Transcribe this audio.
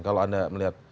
kalau anda melihat